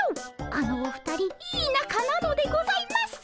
あのお二人いいなかなのでございます。